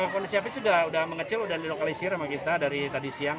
kondisi api sudah mengecil udah dilokalisir sama kita dari tadi siang